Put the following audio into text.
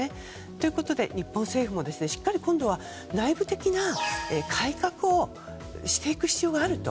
ということで日本政府も今度は内部的な改革をしていく必要があると。